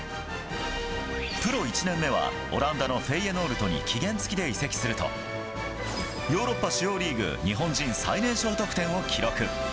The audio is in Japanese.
プロ１年目は、オランダのフェイエノールトに期限つきで移籍すると、ヨーロッパ主要リーグ日本人最年少得点を記録。